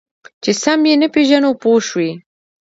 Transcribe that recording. چې سم یې نه پېژنو پوه شوې!.